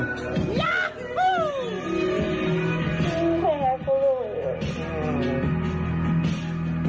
ย้าหู้